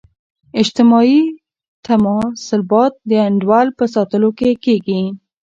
اجتماعي تعاملثبات د انډول په ساتلو کې کیږي.